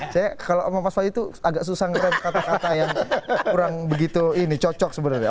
saya kalau sama mas wahyu itu agak susah ngerem kata kata yang kurang begitu ini cocok sebenarnya